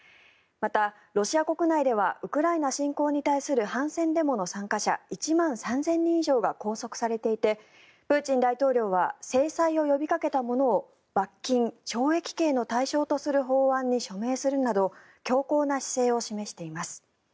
また、ロシア国内ではウクライナ侵攻に対する反戦デモの参加者１万３０００人以上が拘束されていてプーチン大統領は制裁を呼びかけた者を罰金、懲役刑の対象とする法案に署名するなど強硬な姿勢を示しています。